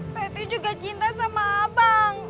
tati juga cinta sama abang